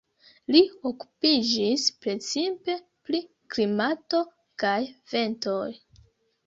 Li okupiĝis precipe pri klimato kaj ventoj.